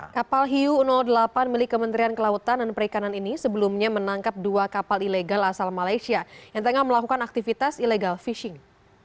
kapal hiu delapan milik kementerian kelautan dan perikanan ini sebelumnya menangkap dua kapal ilegal asal malaysia yang tengah melakukan aktivitas illegal fishing